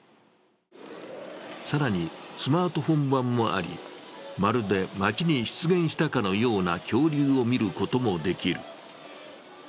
更に、スマートフォン版もありまるで町に出現したかのような恐竜を見ることもできる。